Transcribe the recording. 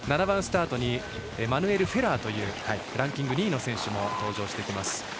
７番スタートにマヌエル・フェラーランキング２位の選手も登場してきます。